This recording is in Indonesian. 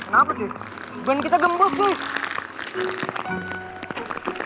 kenapa sih bukan kita gembus tuh